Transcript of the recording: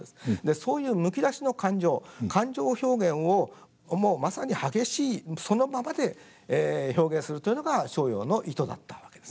そういうむき出しの感情感情表現をもうまさに激しいそのままで表現するというのが逍遙の意図だったわけです。